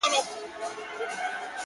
ښه دی چي جواب له خپله ځانه سره یو سمه؛